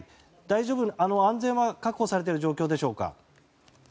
安全は確保されている状況でしょうか？